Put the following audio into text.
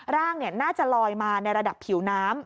ร่างน่าจะลอยมาในระดับผิวน้ำ